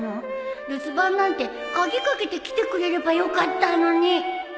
留守番なんて鍵掛けて来てくれればよかったのに